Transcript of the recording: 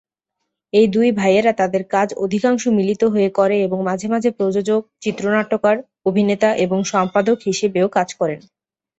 এই দুই ভাইয়েরা তাদের কাজ অধিকাংশ মিলিত হয়ে করে এবং মাঝে মাঝে প্রযোজক, চিত্রনাট্যকার, অভিনেতা এবং সম্পাদক হিসেবেও কাজ করেন।